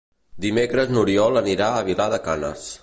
Dimecres n'Oriol anirà a Vilar de Canes.